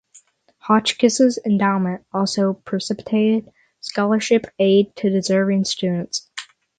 Hotchkiss's endowment also precipitated scholarship aid to deserving students.